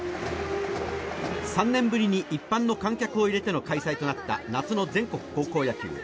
３年ぶりに一般の観客を入れての開催となった夏の全国高校野球。